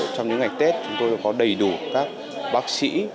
trong những ngày tết chúng tôi có đầy đủ các bác sĩ